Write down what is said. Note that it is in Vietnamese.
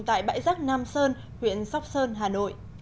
tại bãi giác nam sơn huyện sóc sơn hà nội